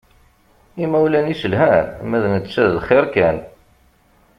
Imawlan-is lhan, ma d netta d lxiṛ kan.